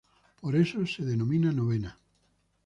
Por eso se denomina novena.